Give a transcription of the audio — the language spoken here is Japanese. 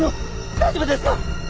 大丈夫ですか！？